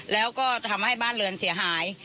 แล้วก็ทำให้บ้านเรือนเสียหาย